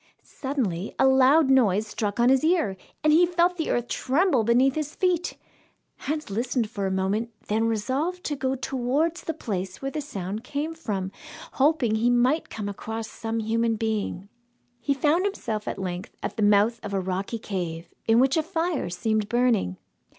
Suddenly a loud noise struck on his ear, and he felt the earth tremble beneath his feet. Hans listened for a moment, then resolved to go towards the place where the sound came from, hoping he might come across some human being. He found himself at length at the mouth of a rocky cave in which a fire seemed burning.